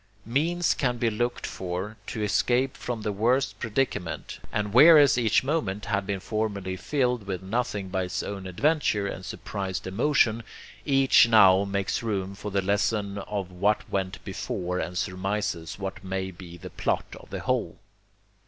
Means can be looked for to escape from the worst predicament; and whereas each moment had been formerly filled with nothing but its own adventure and surprised emotion, each now makes room for the lesson of what went before and surmises what may be the plot of the whole."